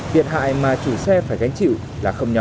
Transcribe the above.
thiệt hại mà chủ xe phải gánh chịu là không nhỏ